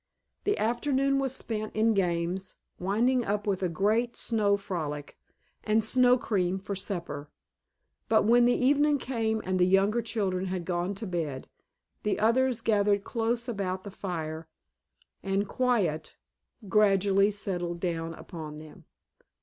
The afternoon was spent in games, winding up with a great snow frolic, and snow cream for supper. But when the evening came and the younger children had gone to bed the others gathered close about the fire and quiet gradually settled down upon them.